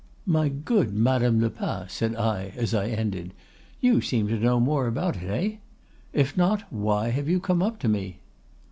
"'My good Madame Lepas,' said I as I ended, 'you seem to know more about it. Heh? If not, why have you come up to me?